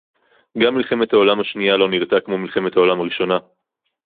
גם מלחמת העולם השנייה לא נראתה כמו מלחמת העולם הראשונה